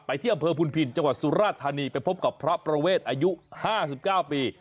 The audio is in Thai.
ไปที่อำเภอภูมิผินจังหวัดสุราธานีไปพบกับพระประเวทย์อายุห้าสิบเก้าปี